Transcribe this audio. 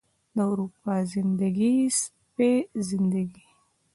د اروپا زندګي، سپۍ زندګي